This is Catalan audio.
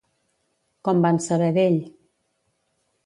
Com van saber d'ell?